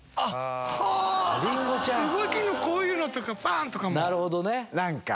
動きのこういうのとかバン！とかも。